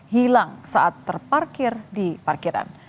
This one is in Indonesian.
hilang saat terparkir di parkiran